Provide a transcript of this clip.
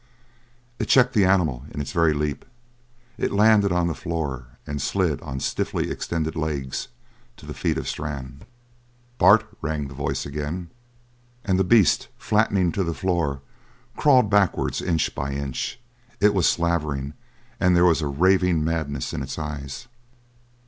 It checked the animal in its very leap; it landed on the floor and slid on stiffly extended legs to the feet of Strann. "Bart!" rang the voice again. And the beast, flattening to the floor, crawled backwards, inch by inch; it was slavering, and there was a ravening madness in its eyes.